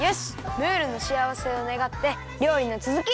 ムールのしあわせをねがってりょうりのつづき！